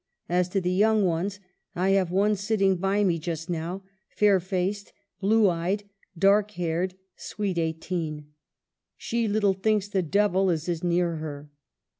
As to the young ones, I have one sitting by me just now, fair faced, blue eyed, dark haired, sweet eighteen. She little thinks the Devil is as near her.